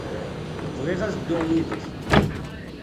Bɣiɣ ad dduɣ yid-k.